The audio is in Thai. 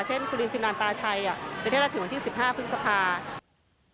เช่นสุรินทรีย์สิบนานตาชัยจะเที่ยวราคาถึงวันที่๑๕พึ่งสภา